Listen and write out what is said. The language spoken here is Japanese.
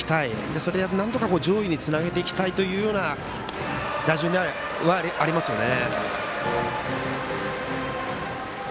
それで、なんとか上位につなげていきたいというような打順ではありますね。